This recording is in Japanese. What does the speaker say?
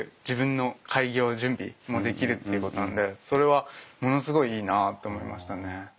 自分の開業準備もできるっていうことなんでそれはものすごいいいなと思いましたね。